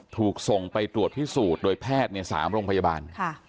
ถูกส่งไปตรวจพิสูจน์โดยแพทย์ใน๓โรงพยาบาล